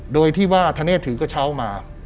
โดยที่ว่าธเนธถือกระเช้ามา